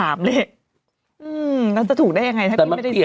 อืมแล้วจะถูกได้ยังไงถ้าพี่ไม่ได้ซื้อ